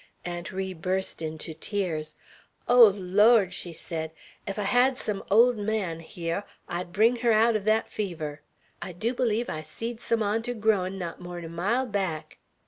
Aunt Ri burst into tears. "Oh, Lawd!" she said. "Ef I had some 'old man' hyar, I'd bring her aout er thet fever! I dew bleeve I seed some on 't growin' not more'n er mile back."